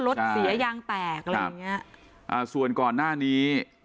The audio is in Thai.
รถเสียยางแตกอะไรอย่างเงี้ยอ่าส่วนก่อนหน้านี้